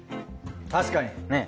確かに。ねぇ。